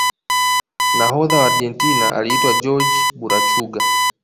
nahodha wa argentina aliitwa jorge burachuga